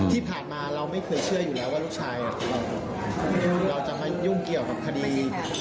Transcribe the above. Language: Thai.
ที่ผ่านมาเราไม่เคยเชื่ออยู่แล้วว่าลูกชายเราจะมายุ่งเกี่ยวกับคดี